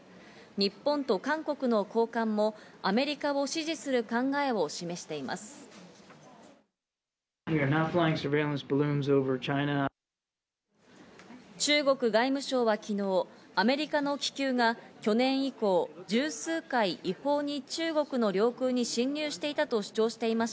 日本と韓国の高官もアメリカを支持する考えを示しています。